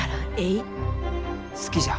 好きじゃ。